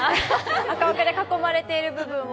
赤枠で囲まれている部分を。